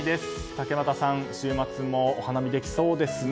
竹俣さん、週末もお花見できそうですね。